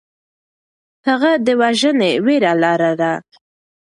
هغه د وژنې وېره لرله.